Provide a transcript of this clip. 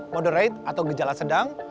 moderate atau gejala sedang